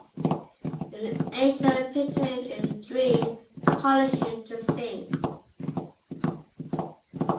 An angel appeared to him in a dream, calling him to sing.